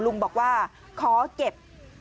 ลุงบอกว่าขอเก็บ